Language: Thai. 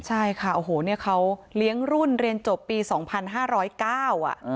ใช่ค่ะโอ้โหเนี่ยเขาเลี้ยงรุ่นเรียนจบปี๒๕๐๙อ่ะ